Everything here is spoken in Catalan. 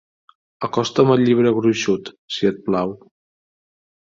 Acosta'm el llibre gruixut, si et plau.